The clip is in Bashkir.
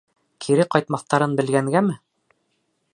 Кире ҡайтмаҫтарын белгәнгәме?